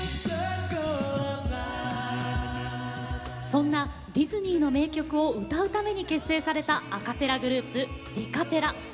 そんなディズニーの名曲を歌うために結成されたアカペラグループ、ディカペラ。